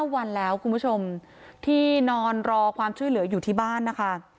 วันแล้วคุณผู้ชมที่นอนรอความช่วยเหลืออยู่ที่บ้านนะคะ